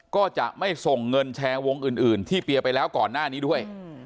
ก็จะไม่ส่งเงินแชร์วงอื่นที่เปียร์ไปแล้วก่อนหน้านี้ด้วย